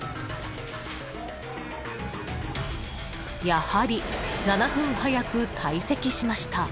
［やはり７分早く退席しました］